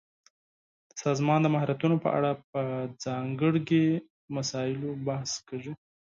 د سازمان د مهارتونو په اړه په ځانګړي مسایلو بحث کیږي.